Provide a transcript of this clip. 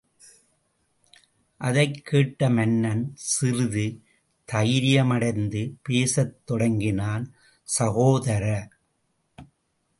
அதைக் கேட்ட மன்னன், சிறிது தைரியமடைந்து பேசத் தொடங்கினான் சகோதர!